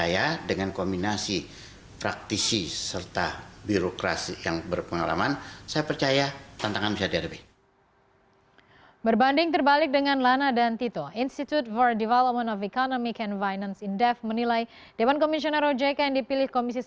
yang kami buat ini adalah